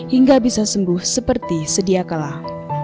hingga bisa sembuh seperti sedia kalah